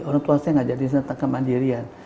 orang tua saya ngajakin sendiri tentang kemandirian